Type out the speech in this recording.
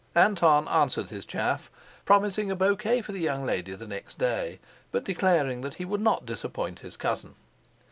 Anton answered his chaff, promising a bouquet for the young lady the next day, but declaring that he could not disappoint his cousin.